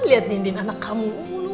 lihat nendin anak kamu